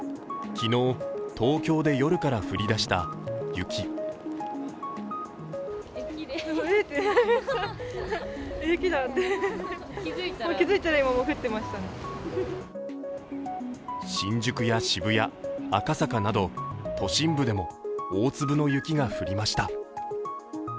昨日、東京で夜から降り出した雪新宿や渋谷、赤坂など都心部でも大粒の雪が降りました。